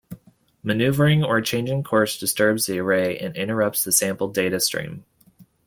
Maneuvering, or changing course, disturbs the array and interrupts the sampled data stream.